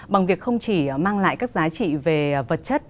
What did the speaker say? bằng việc không chỉ mang lại các giá trị về vật chất